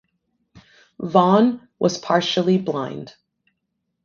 Vaughan was partially blind.